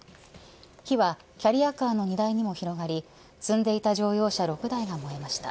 火はキャリアカーの荷台にも広がり、積んでいた乗用車６台が燃えました。